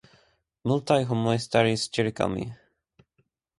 Multaj homoj staris ĉirkaŭ mi.